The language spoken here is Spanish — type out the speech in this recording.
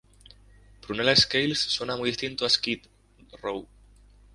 Prunella Scales suena muy distinto a Skid Row.